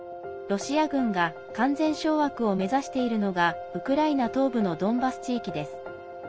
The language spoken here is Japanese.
ロシア軍が完全掌握を目指しているのがウクライナ東部のドンバス地域です。